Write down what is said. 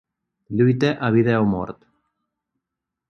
Lluita a vida o mort.